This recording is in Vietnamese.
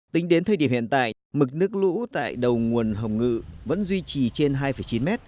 tính đến thời điểm hiện tại mực nước lũ tại đầu nguồn hồng ngự vẫn duy trì trên hai chín mét